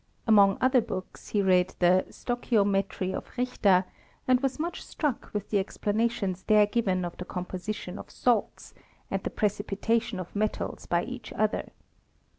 Among other books he read the Stocbio metry of Richter, and was much struck with the ex planations there given of the composition of salte, and the precipitation of metals by each other.